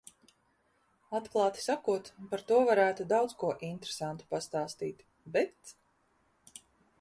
Atklāti sakot, par to varētu daudz ko interesantu pastāstīt, bet...